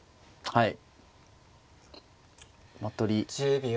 はい。